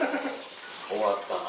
終わったな。